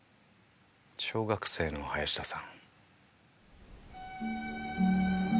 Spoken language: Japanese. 小学生の林田さん。